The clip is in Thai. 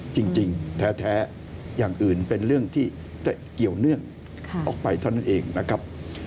จริงแท้อย่างอื่นเป็นเรื่องที่เกี่ยวเนื่องออกไปเท่านั้นเองนะครับ